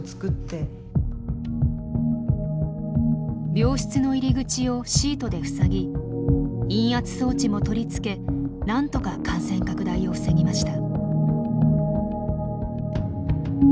病室の入り口をシートで塞ぎ陰圧装置も取り付けなんとか感染拡大を防ぎました。